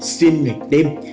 xuyên ngày đêm